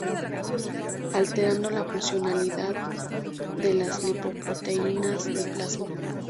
Alterando la funcionalidad de las lipoproteínas del plasma.